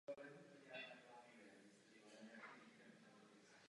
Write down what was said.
Sídliště má rozlohu kolem jednoho kilometru čtverečního.